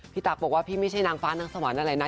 ตั๊กบอกว่าพี่ไม่ใช่นางฟ้านางสวรรค์อะไรนะ